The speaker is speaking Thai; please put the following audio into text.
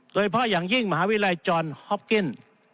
โดยเฉพาะอย่างยิ่งมหาวิทยาลัยจอนฮ็อกเก็น